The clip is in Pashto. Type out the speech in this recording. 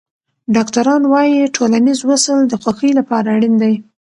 ډاکټران وايي ټولنیز وصل د خوښۍ لپاره اړین دی.